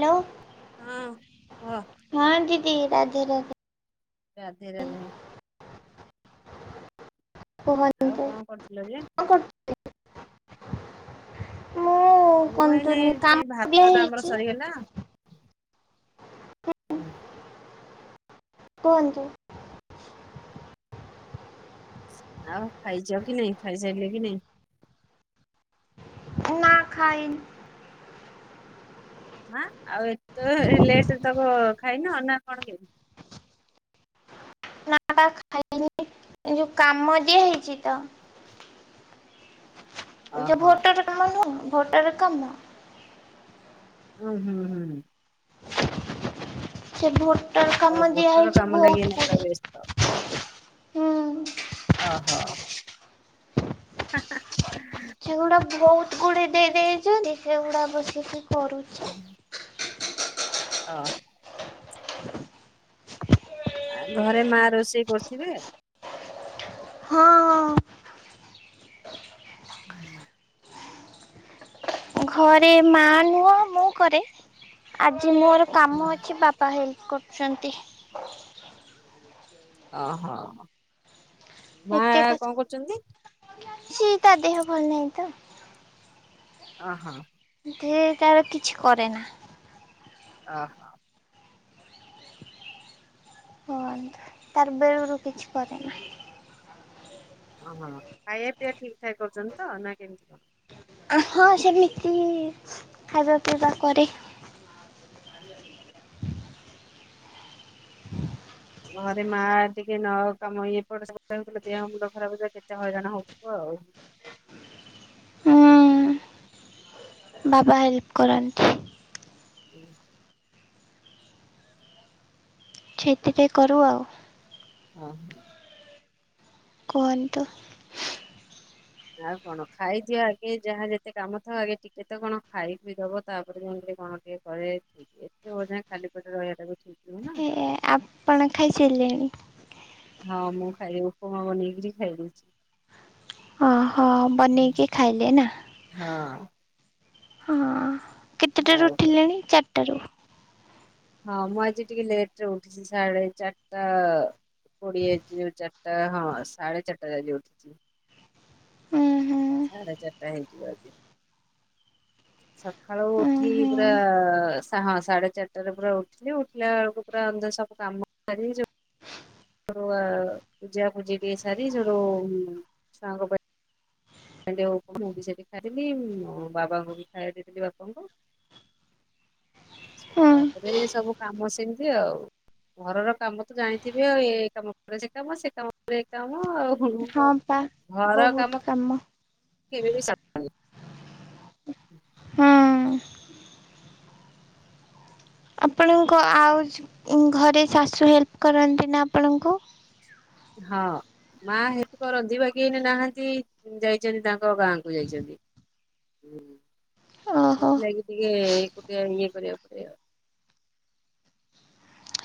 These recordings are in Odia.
ହ୍ୟାଲୋ। ହଁ କୁହ। ଦି ରାଧେ ରାଧେ। ରାଧେ ରାଧେ। କୁହନ୍ତୁ ଆଉ କଣ କରୁଥିଲ ଯେ। କଣ କରୁ ମୁଁ ମୁଁ ଏଇ ନେ କୁହନ୍ତୁନି ସେଇ କାମ ଦିଆ ଭାତ ଟା ଆମର ହେଇଛି ସରିଗଲା ହୁଁ। କୁହନ୍ତୁ। ଆଉ ଖାଇଛ କି ନାଇଁ ଖାଇସାରିଲେ କି ନାଇଁ। ନା ଖାଇନି। ହଁ ଆଉ ଏତେ ଲେଟ ତ ଖାଇନି ନା କଣ କେମିତି। ନା ବା ଖାଇନି ଯୋଉ କାମ ଦିଆ ହେଇଛି ତ। ଯ ଓହୋ ଭୋଟର କାମ ନୁହେଁ। ଭୋଟର କାମ। ହୁଁ ହୁଁ ହୁଁ ହୁଁ। ସେ ଭୋଟ ଆ ଭୋଟର କାମ ଲାଗି ଏଇନା ପୁରା ବ୍ୟସ୍ତ। ହଁ ଅ ହୋ। ସେଗୁଡା ବହୁତ। ଗୁଡେ ଦେଇ ଦେଇେ ଚନ୍ତି ସେଗୁଡା ବସିକି କ କରୁଛି। ହଁ। [unintelligible] ଆ ଘରେ ମା ରୋଷେଇ କରୁଥିବେ? ହଁ ହଁ। ହୁଁ ଘରେ ମା ନୁହଁ ମୁଁ କରେ ଆ ଯେ ମୋର କାମ ଅଛି ବାପା ହେଲ୍ପ କରୁଛନ୍ତି। ଅ ହଁ ମା ଏତେ କଣ କରୁଛନ୍ତି। ସେ ତା ଦେହ ଭଲ ନାହିଁ ତ ହ ହଁ ଥି ତାର କିଛି କରେ ନା ହ ହ ହ ତାରବେଳରୁୁ କିଛି ପରେନା। ଓହୋ ଖାଇବା ପିଇବା ଠିକ ଠାକ କରୁଛନ୍ତି ତ ନା କେମିତି କର? ହଁ ସେମିତି ଖାଇବା ପିଇବା କରେ। ହୁଁ। ଘରେ ମା ଟିକେ ନ କାମ ଇଏପଟେ ହେଉଥିଲା ଦେହ ମୁୂଣ୍ଡ ଖରାପ ହେ କେତେ ହଇରାଣ ହଉଥିବ ଆଉ। ହୁଁ। ବାବା ହେଲ୍ପ କରନ୍ତି। ସେତିରେେ କରୁ ଆଉ। ହ ହୋ କୁହନ୍ତୁ। ଆଉ କଣ ଖାଇଦିଅ ଆଗେ ଯାହା ଯେତେ କାମ ଥବ ଆଗେ ଟିକେ ତ କଣ ଖାଇ ପିଇ ଦବ ତାପରେ ଯାଇି କଣ ଟିକେ କରେ ଏତେ ବଢା ଖାଲି ପେଟ ରହିବା ବ ହେ ଆପଣ ଖାଇସାରିଲେଣି? ହଁ ମୁଁ ଖାଇ ଉପମା ବନେଇକିରି ଖାଇ ଦେଇଛି। ଓହୋ ବନେଇକି ଖାଇଲେ ନା। ହଁ। ହଁ। କେତେଟାରୁ ଆଉ କଣ। ଉଠିଲେଣି ଚାରିଟାରୁ। ହଁ ମୁଁ ଆଜି ଟିକେ ଲେଟ ରେ ଉଠିଛି ସାଢେ ଚାରିଟା କୋଡି ଆ ଯୋଉ ଚାରିଟା ହଁ ସାଢେ ଚାରିଟା ଆଜି ଉଠିଛି। ହୁଁ ହୁଁ ବାଜି। ସକାଳୁ ହୁଁ ଉଠି ହୁଁ ପୁରାଁ ସାଢେ ଚାରିଟାରେ ପୁରା ଉଠିଲି ଉଠିଲା ବେଳକୁ ପୁରା ଅନ୍ଧ ସବୁ କାମ ସ ପୂଜା ପୂଜି ଟିକେ ସାରି ଯୋଉ ସାଙ୍ଗ ପାଇଁ। ସେ ଜଉ ମୁଁ ବି ସେଠି ଖାଇଥିଲି ମୋ ବାବାଙ୍କୁ ବି ଖାଇ ଦେଇଥିଲି ବାପାଙ୍କୁ [inaudible] ସେ ହୁଁ ତାପରେ ସବୁ କାମ ସେମିତି ଆଉ ଘରର କାମ ତ ଜାଣିଥିବେ ଆଉ ଏ କାମ ପରେ ସେ କାମ ସେ କାମ ପରେ ଏ କାମ ଆଉ ହଁ ପା ଘର କାମ ବହୁତ କ କେବେ ବି [unintelligible] [inaudible] ହଁ ଆପଣଙ୍କ ଆଉ ଘରେ ଶାଶୁ ହେଲ୍ପ କରନ୍ତି ନା ଆପଣଙ୍କୁ? ହଁ ମା ହେଲ୍ପ କରନ୍ତି ବାକି ଏଇନା ନାହାନ୍ତି ଯାଇଛନ୍ତି ତାଙ୍କ ଗାଁ କୁ ଯାଇଛନ୍ତିଁ। ଓହୋ ସେଥିଲାଗି ଟିକେ ଏକୁଟିଆ ଇଏ କରିବାକୁ [inaudible]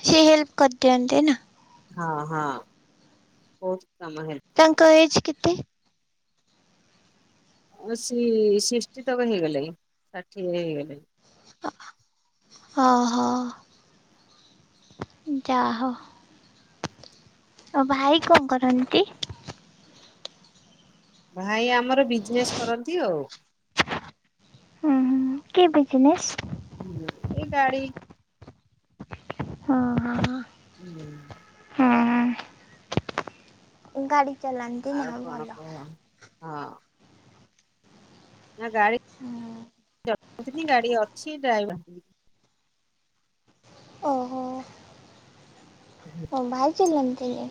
ସିଏ ହେଲ୍ପ କରିଦିଅନ୍ତି ନା। ହଁ ହଁ। କାମ ହେଲ୍ପ କରନ୍ତି। ତାଙ୍କ ଏଜ କେତେ? ସି ସିଷ୍ଟିତକ ହେଇଗଲାଣି ଷାଠିଏ ହେଇଗଲେଣି। ଓ ହୋ [inaudible] ଯାହଉ। ଆଉ ଭାଇ କଣ କରନ୍ତି? ଭାଇ ଆମର ବିଜନେସ୍ କରନ୍ତି ଆଉ। ହୁଁ ହୁ କି ବିଜନେସ୍? ଏଇ ଗାଡ଼ି ହଁ ହଁ ହଁ। ହୁଁ। ଗାଡି। ଚଲାନ୍ତି ନା ଆଉ ହଉ କଣ ଭଲ। କୁହ? ହଁ। ନା ଗାଡ଼ି ଗାଡି ଅଛି ଡ୍ରାଇଭର ଓହୋ। ଓ ଭାଇ ଚଲାନ୍ତିନି?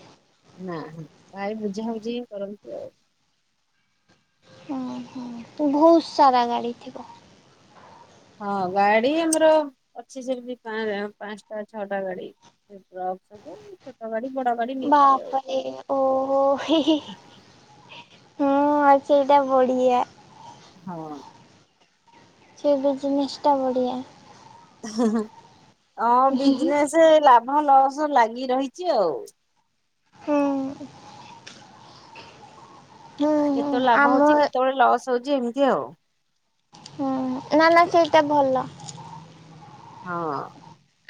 ନା ହ ଭାଇ ବୁଝାବୁଝି ହିଁ କରନ୍ତି ଆଉ। ହୁଁ ହୁଁ ବହୁତ ସାରା ଗାଡି ଥିବ। ହଁ ଗାଡି ଆମର ଅଛି ସେମିତି ପା ପାଞ୍ଚଟା ଛଅଟା ଗାଡି ଟ୍ରକ୍ ସବୁ ଛୋଟ ଗାଡି। ବଡ ଗାଡି ମିକ୍ସ ବାପ୍ରେ ଓହୋ ହୀ [unintelligible] ହୁଁ ଆଉ ସେଇଟା ବଢିଆ। ହଁ। ସେଇବେ ଜିନିଷଟା ବଢ଼ଆ। [unintelligible] ହଁ ବିଜିନେସ୍ ଲା ଭଲସ ଲାଗି ରହିଚି ଆଉ। ହୁଁ ହୁଁ କେତେବେଳେ ଲାଭ ଆମ ହୋଉଚି କେତେବେଳେ ଲସ୍ [unintelligible] ଉଛି ଏମିତି ଆଉ [inaudible] ହୁଁ ନା ନା ସେଇଟା ଭଲ ହଁ।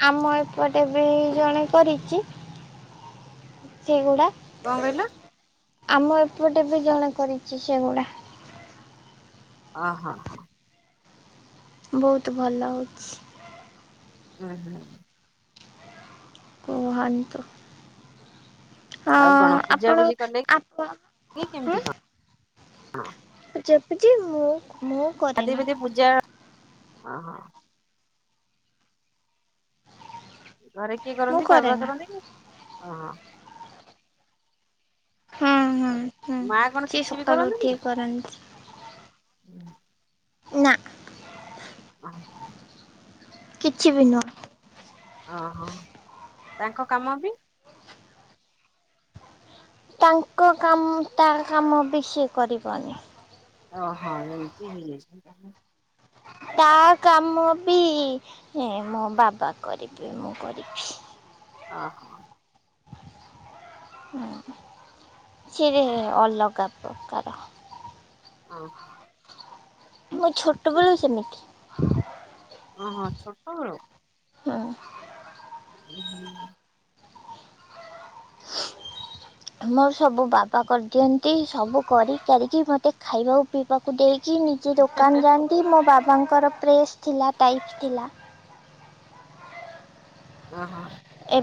ଆମ ଏପଟେ ବି ଜଣେ କରିଚି। ସେଇଗୁଡା କଣ କହିଲ? ଆମ ଏପଟେ ବି ଜଣେ କରିଚି ସେଗୁଡା ହଁ ହଁ ହଁ। ବୋହୁତ ଭଲ ଲାଗୁଚି। ହୁଁ ହୁଁ। କୁହନ୍ତୁ। ଆଉ ହଁ କଣ ପୂଜା ଆପଣ ପୂଜି କଲେ ଆପଣ କେମତି କଣ ହଁ। ଜପୁଚି ମୁଁ ମୁଁ ଗାଧେଇ କରେନା। ପାଧେଇ ପୂଜା ଓହୋ। ଘରେ କିଏ ମୁଁ କରନ୍ତି, ବାବା କରେନା କରନ୍ତି ହୁଁ, ହୁଁ। ହୁଁ ମା କଣ ସିଏ କିଛି ବି ସକାଳୁ କରନ୍ତିନି? ଉଠିକି କରନ୍ତି। [inaudible] ନା। [unintelligible] କିଛି ବି ନୁହଁ। ଓହୋ ତାଙ୍କ କାମ ବି ତାଙ୍କ କାମ ତା କାମ ବି ସିଏ କରିବନି। ଓହୋ ଏମିତି ହେଇଯାଇଚି ତାହେଲେ। ତା କାମ ବି ମୋ ବାବା କରିବେ ମୁଁ କରିବି। ଓ ହ। [inaudible] ସେରେ ଅଲଗା ପ୍ରକାର। ହଁ। ମୁଁ ଛୋଟ ବେଳୁ ସେମିତି। ଓହଁ ଛୋଟ ବେଳୁ। ହଁ। [inaudible] [inaudible] ମୋର ସବୁ ବାବା କରିଦିଅନ୍ତି ସବୁ କରି କାରିକି ମତେ ଖାଇବାକୁ ପିଇବାକୁ ଦେଇ କି ନିଜେ ଦୋକାନ ଯାଆନ୍ତି, ମୋ ବାବା ତାଙ୍କର ପ୍ରେସ୍ ଥିଲା, ଟାଇପ୍ ଥିଲା। ଓ ହୋ।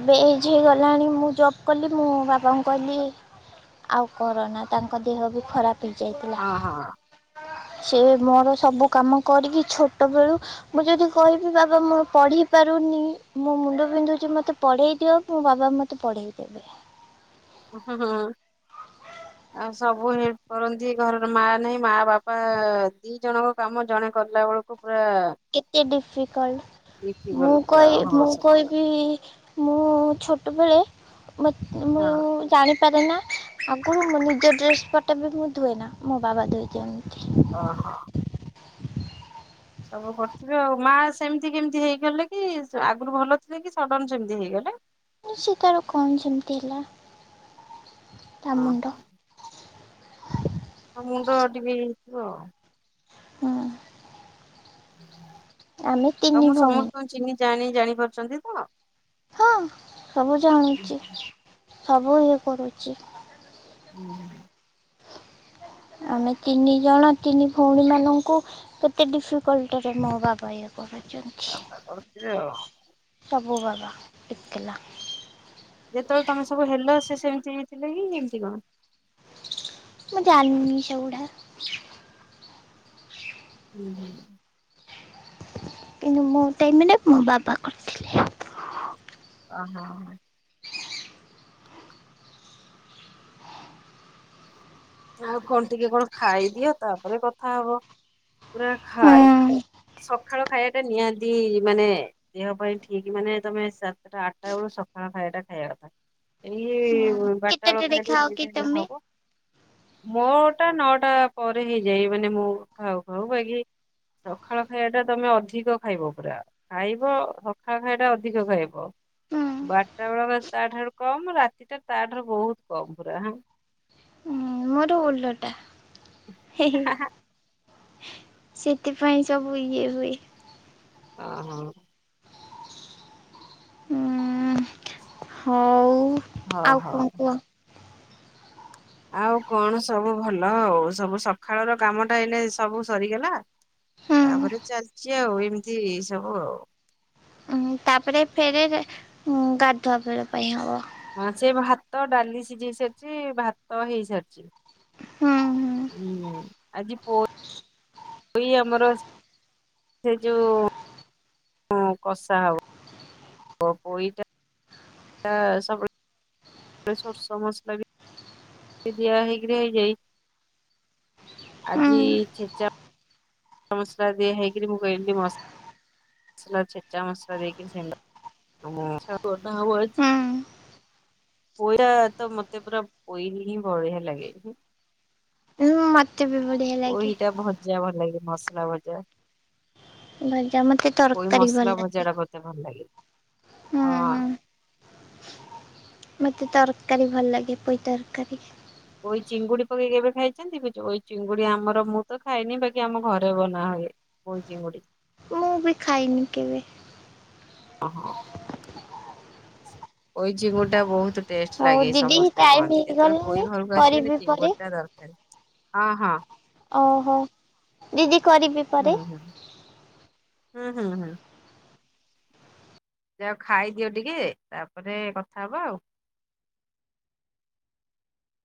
ଏବେ ଏଜ୍ ହେଇଗଲାଣି ମୁଁ ଜବ୍ କଲି ମୁଁ ବାବାଙ୍କୁ କହିଲି ଆଉ କରନା ତାଙ୍କ ଦେହ ବି ଖରାପ ବି ହେଇ ଯାଇଥିଲା। ହଁ ହଁ ସେ ମୋର ସବୁ କାମ କରିକି ଛୋଟ ବେଳୁ ମୁଁ ଯଦି କହିବି ବାବା ମୁଁ ପଢି ପାରୁନି ମୋ ମୁଣ୍ଡ ବିନ୍ଧୁଛି ମତେ ପଢ଼େଇ ଦିଅ ମୋ ବାବା ମୋତେ ପଢ଼େଇ ଦେବେ। ହଁ ହୁଁ ଆଉ ସବୁ ହେଲ୍ପ କରନ୍ତି ଘରର ମା ନାଇଁ ମା ବାପା ଦି ଜଣଙ୍କ କାମ ଜଣେ କଲା ବେଳକୁ। ପୁରା କେତେ ଡିଫିକଲ୍ଟ ମୁଁ ବିକିଗଲୁ କ ପୁରା ହଁ ମୁଁ ସତ କଥା କହିବି ମୁଁ ଛୋ ଟବେଳେ। ମତ ହଁ। ମୁଁ-ଉ-ଉ ଜାଣି ପାରେନା ଆଗରୁ ମୁଁ ନିଜ ଡ୍ରେସ ପଟା ବି ମୁଁ ଧୁଏ ନା ମୋ ବାବା ଧୋଇଦିଅନ୍ତି। ଓ ହୋ। [inaudible] ସବୁ କରିଥିବେ ଆଉ ମା ସେମିତି କେମିତି ହେଇଗଲେ କି ଆଗରୁ ଭଲ ଥିଲେ କି ସଡନ ସେମିତି ହେଇଗଲେ। ସେତେବେଳ କୁ ଙ୍କ ସେମିତି ହେଲା। ଓ ହଁ। ହଁ ଆଉ ମୁଣ୍ଡ ଟିକେ ହେଇଥିବ ଆଉ। ହଁ ହୁଁ ଆମେ ତିନି ଭଉଣୀ। ଜାଣି ଜାଣିପାରୁଛନ୍ତି ତ। ହଁ ସବୁ ଜାଣୁଛି। ହୁଁ ସବୁ ଇଏ କରୁଛି। ହୁଁ ଆମେ ତିନି ଜଣ ତିନି ଭଉଣୀ ମାନଙ୍କୁ କେତେ ଡିଫିକଲ୍ଟ ରେ ମୋ ବାବା। କରୁଛନ୍ତି ବାବା କରୁଥିବେ ଆଉ। ମୋ ବାବା ଏକେଲା। ଯେତେବେଳେ ତମେ ସବୁ ହେଲ ସେ ସେମିତି ହୋଇଥିଲେ କି କେମତି କଣ ମୁଁ ଜାଣିନି ସେଗୁଡା। ହୁଁ ହୁଁ କିନ୍ତୁ ମୋଟାଇ ମାନେ ମୋ ବାବା କରିଥିଲେ [unintelligible] ହଁ ହଁ ଆଉ କଣ ଟିକେ କଣ ଖାଇଦିଅ ତାପରେ କଥା ହବ ପା ଖାଇ ସକାଳ ଖାଇବା କୁ ସେଟା ନିହାତି ମାନେ ଦେହ ପାଇଁ ଠିକ ମାନେ ତମେ ସାତଟା ଆଠଟା ବେଳୁ ସକାଳ ଖାଇବାଟା ଖାଇବା କଥା ହୁଁ ଏଇ ବାଟା ବେଳ କେତେଟା ଖାଇଲେ ଦେଖାଅ କି ହେଲେ ତମେ? ହବ [unintelligible] ମୋଟା ନଅଟା ପରେ ହେଇଯାଏ ମାନେ ମୁଁ ଖାଉ ଖାଉ ହୁଏକି ସକାଳ ଖାଇବା ଟା ତମେ ଅଧିକ ଖାଇବ ପୁରା ଖାଇବ ସକାଳ ଖାଇବା ଟା ଅଧିକ ଖାଇବ ହୁଁ ବାରଟା ବେଳ ତା ଠାରୁ କମ ରାତିଟା ତା ଠାରୁ ବହୁତ କମ ପୁରା। ହଁ ମୋର ଓଲଟା। ହେ ହେ ହା ହା ସେଥିପାଇଁ ସବୁ ଇଏ ହୁଏ ହଁ ହଁ ହଉ ହଉ। ଆଉ ହଉ। କଣ କୁହ। ଆଉ କଣ ସବୁ ଭଲ ଆଉ ସବୁ ସକାଳର କାମଟା ଏଇନେ ସବୁ ସରିଗଲା ତାପରେ ଚାଲିଛି ଆଉ ଏମିତି ସବୁ ଆଉ। ହୁଁ ତାପରେ ଫେରେ ଉଁ ଗାଧୁଆ ବେଲ ପାଇଁ ହବ। ହଁ ସେ ଭାତ ଡାଲି ସିଝେଇ ସାରିଛି ଭାତ ହେଇ ସାରିଛି। ହୁଁ ହୁଁ ଆଜି ପୋ- ହଇ ଆମର। ସେ ଯୋଉ ହଁ କଷା ହବ। ହଁ ପଇଟା ତା ସବୁବେଳେ। ସେ ସୋରିଷ ମସଲା ବି। ଦିଆ ହେଇକି ହେଇଯାଏ ହୁଁ ଆଜି ଛେଚା ମସଲା ଦି ହେଇକରି ମୁଁ କହି ମସଲା ଛେଚା ମସଲା ଦେଇକରି ହୁଁ ହୁଁ। ପୋଇ ତ ମତେ ପୁର ପୋଇ ହିଁ ବଢ଼ିଆ ଲାଗେ [unintelligible] ମତ [unintelligible] ମତେ ବି ବଢ଼ିଆ ଲାଗେ- ଲାଗି ମସଲା ବଜା- ଭଜା ମତେ ତରକାରୀ ଭଲ ଭଜା ଲାଗେ- ଟା ମତେ ଭଲ ଲାଗେ। ହୁଁ ହୁଁ ହଁ ମତେ ତରକାରୀ ଭଲ ଲାଗେ ପଇ ତରକାରୀ ଇ ଚିଙ୍ଗୁଡ଼ି ପକେଇ କେବେ ଖାଇଛନ୍ତି ବୁ ଚିଙ୍ଗୁଡ଼ି ଆମର ମୁଁ ତ ଖାଇଏନି ବାକି ଆମ ଘରେ ବନା ହୁଏ ଚିଙ୍ଗୁଡ଼ି ମୁଁ ବି ଖାଇନି କେବେ- ଓ ହୋ ଇ ଚିଙ୍ଗୁଡ଼ି ଟା ବହୁତ- ଟେଷ୍ଟ ହଉ ଲାଗେ ଦିଦି ସମସ୍ତେ ଟାଇମ କହନ୍ତି ଯେତେବେଳେ ହେଇଗଲାଣି ପୋଇ ଘରକୁ ଆସିବେନି କରିବି ପରେ ଚିଙ୍ଗୁଡ଼ି ଟା ଦରକାର- ହଁ ହଁ ଓହୋ ଦିଦି କରିବି ପରେ- ହୁଁ ହୁଁ ହୁଁ ହୁଁ ହୁଁ ଯଉ ଖାଇଦିଅ ଟିକେ ତାପରେ କଥା ହବ ଆଉ